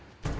gue gak tau